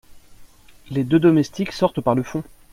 Les deux domestiques sortent par le fond.